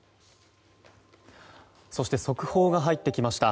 そして速報が入ってきました。